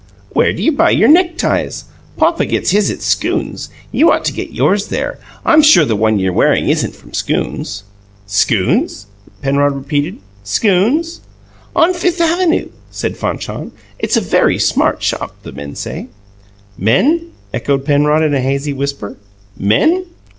"Where do you buy your neckties? Papa gets his at Skoone's. You ought to get yours there. I'm sure the one you're wearing isn't from Skoone's." "Skoone's?" Penrod repeated. "Skoone's?" "On Fifth Avenue," said Fanchon. "It's a very smart shop, the men say." "Men?" echoed Penrod, in a hazy whisper. "Men?"